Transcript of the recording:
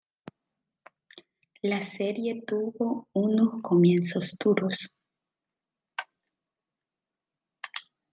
La serie tuvo unos comienzos duros.